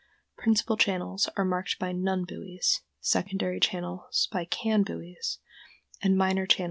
Principal channels are marked by "nun" buoys, secondary channels by "can" buoys, and minor channels by "spar" buoys.